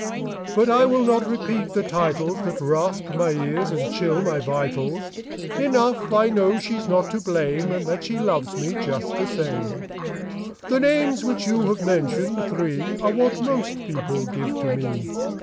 But I will not repeat the titles That rasp my ears and chill my vitals. Enough, I know she's not to blame. And that she loves me just the same." Copyrighted, 1897 I HE names which you have mentioned, three, what most people give to me."